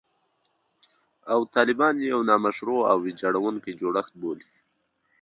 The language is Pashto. او طالبان یو «نامشروع او ویجاړوونکی جوړښت» بولي